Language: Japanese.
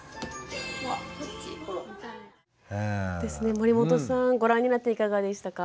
守本さんご覧になっていかがでしたか？